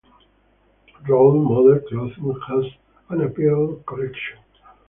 Role Model Clothing has an apparel collection.